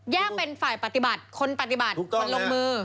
เป็นฝ่ายปฏิบัติคนปฏิบัติคนลงมือ